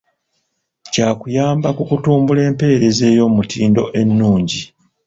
Kya kuyamba ku kutumbula empeereza ey'omutindo ennungi.